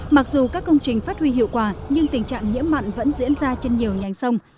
mặc dù các công trình phát huy hiệu quả nhưng tình trạng nhiễm mặn vẫn diễn ra trên nhiều nhành sông